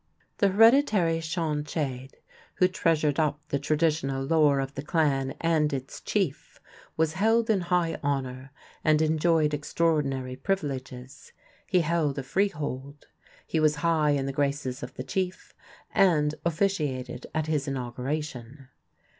The hereditary seanchaidhe, who treasured up the traditional lore of the clan and its chief, was held in high honor and enjoyed extraordinary privileges. He held a freehold. He was high in the graces of the chief, and officiated at his inauguration.